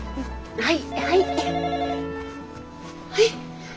はい。